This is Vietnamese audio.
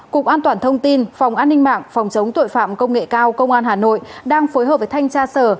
cục an toàn thông tin phòng an ninh mạng phòng chống tội phạm công nghệ cao công an hà nội đang phối hợp với thanh tra sở